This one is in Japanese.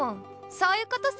そういうことさ。